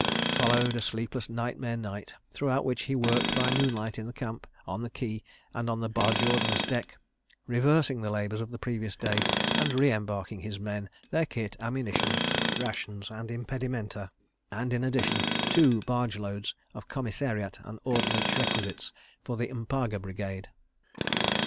Followed a sleepless nightmare night, throughout which he worked by moonlight in the camp, on the quay, and on the Barjordan's deck, reversing the labours of the previous day, and re embarking his men, their kit, ammunition, rations and impedimenta—and in addition, two barge loads of commissariat and ordnance requisites for the M'paga Brigade.